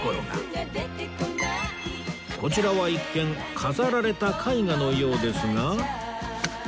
こちらは一見飾られた絵画のようですが